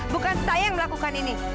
bukan saya yang melakukan ini